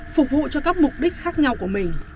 phục vụ cho các mục đích khác nhau của mình